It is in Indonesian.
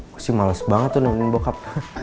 gue sih males banget tuh nemenin bokap